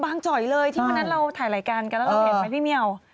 จ่อยเลยที่วันนั้นเราถ่ายรายการกันแล้วเราเห็นไหมพี่เมียว